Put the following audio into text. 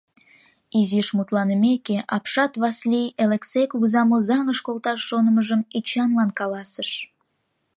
Изиш мутланымеке, апшат Васлий Элексей кугызам Озаҥыш колташ шонымыжым Эчанлан каласыш.